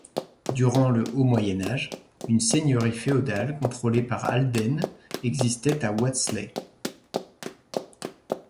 Durant le haut Moyen Âge, une seigneurie féodale contrôlée par Aldene existait à Wadsley.